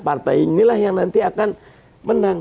partai inilah yang nanti akan menang